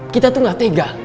kita tuh gak tega